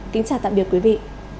kính chào tạm biệt quý vị